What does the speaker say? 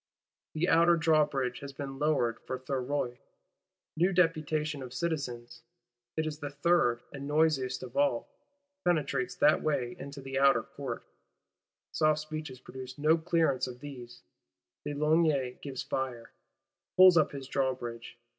The Outer Drawbridge has been lowered for Thuriot; new deputation of citizens (it is the third, and noisiest of all) penetrates that way into the Outer Court: soft speeches producing no clearance of these, de Launay gives fire; pulls up his Drawbridge.